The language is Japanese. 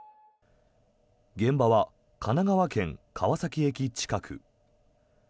現場は神奈川県・川崎駅近く。